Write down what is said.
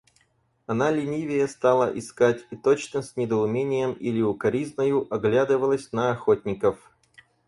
Она ленивее стала искать и точно с недоумением или укоризною оглядывалась на охотников.